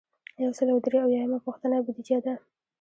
یو سل او درې اویایمه پوښتنه بودیجه ده.